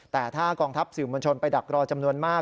แต่ถ้ากองทัพสื่อมวลชนไปดักรอจำนวนมาก